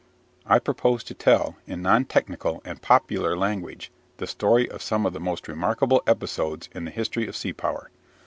I propose to tell in non technical and popular language the story of some of the most remarkable episodes in the history of sea power.